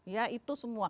ya itu semua